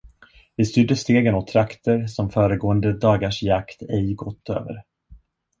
Vi styrde stegen åt trakter, som föregående dagars jakt ej gått över.